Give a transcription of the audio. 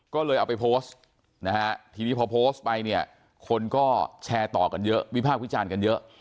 ก็เลยเอาไปโพสต์นะฮะทีนี้พอโพสต์ไปเนี่ยคนก็แชร์ต่อกันเยอะวิพากษ์วิจารณ์กันเยอะ